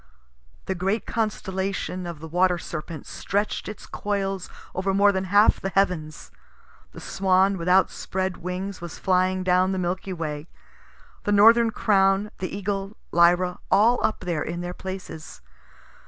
The great constellation of the Water Serpent stretch'd its coils over more than half the heavens. The Swan with outspread wings was flying down the Milky Way. The northern Crown, the Eagle, Lyra, all up there in their places.